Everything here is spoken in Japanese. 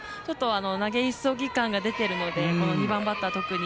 投げ急ぎ感が出ているのでこの２番バッター特に。